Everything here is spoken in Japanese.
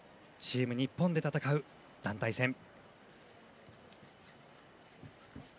チーム日本で戦う団体戦。